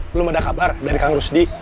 belum ada kabar dari kang rusdi